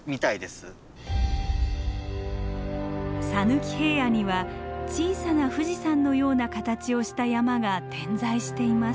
讃岐平野には小さな富士山のような形をした山が点在しています。